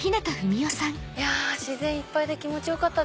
自然いっぱいで気持ちよかった。